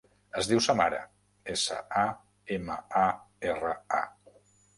Es diu Samara: essa, a, ema, a, erra, a.